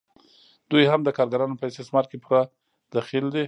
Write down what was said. دوی هم د کارګرانو په استثمار کې پوره دخیل دي